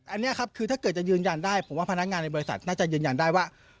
อันนี้ครับคือถ้าเกิดจะยืนยันได้ผมว่าพนักงานในบริษัทน่าจะยืนยันได้ว่า